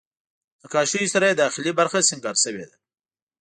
نقاشیو سره یې داخلي برخه سینګار شوې ده.